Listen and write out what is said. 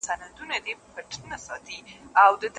بیا پسرلی سو دښتونه شنه سول